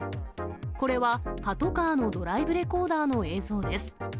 これはパトカーのドライブレコーダーの映像です。